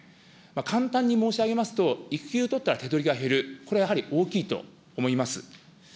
簡単に申し上げますと、育休を取ったら手取りが減る、これはやはり大きいと思います。